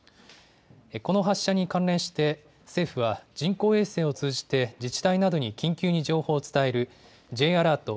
この発射に関連して、政府は人工衛星を通じて、自治体などに緊急に情報を伝えるＪアラート